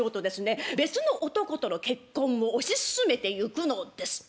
別の男との結婚を推し進めてゆくのです。